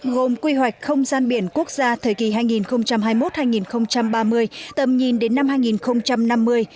gồm quy hoạch không gian biển quốc gia thời kỳ hai nghìn hai mươi một hai nghìn ba mươi tầm nhìn đến năm hai nghìn năm mươi